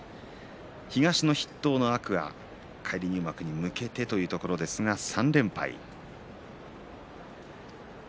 東の筆頭の天空海返り入幕に向けてというところですが３連敗。